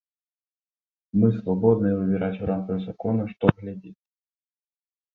Мы свабодныя выбіраць у рамках закона, што глядзець.